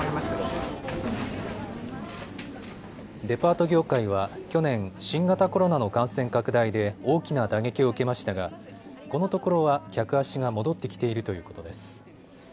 デパート業界は去年、新型コロナの感染拡大で大きな打撃を受けましたがこのところは客足が戻ってきているということです。